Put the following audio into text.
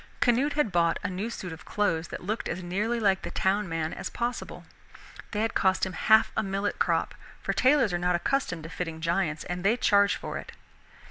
Canute had bought a new suit of clothes that looked as nearly like the town man as possible. They had cost him half a millet crop; for tailors are not accustomed to fitting giants and they charge for it.